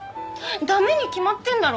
駄目に決まってんだろ。